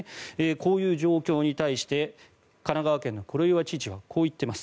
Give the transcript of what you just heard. こういう状況に対して神奈川県の黒岩知事はこう言っています。